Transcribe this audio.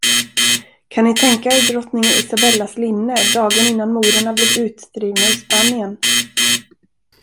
Kan ni tänka er drottning Isabellas linne, dagen innan morerna blev utdrivna ur Spanien?